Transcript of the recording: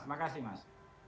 terima kasih mas